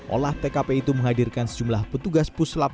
olah tkp itu menghadirkan sejumlah petugas puslap